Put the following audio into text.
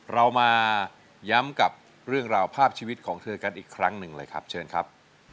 เรามาย้ำกับเรื่องราวภาพชีวิตของเธอกันอีกครั้งหนึ่งเลยครับเชิญครับ